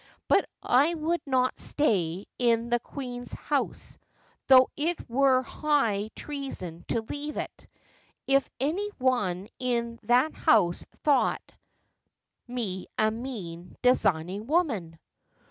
But I would not stay in the Queen's house — though it were high treason to leave it — if any one in that house thought me a mean, designing woman.'